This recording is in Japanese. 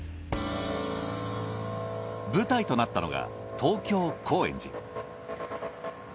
舞台となったのが東京高円寺。